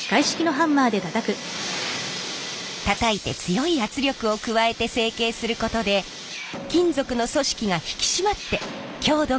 たたいて強い圧力を加えて成形することで金属の組織が引き締まって強度が増します。